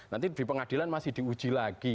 nanti di pengadilan masih diuji lagi